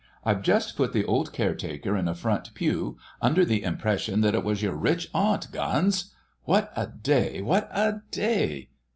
I've just put the old caretaker in a front pew under the impression that it was your rich aunt, Guns! What a day, what a day!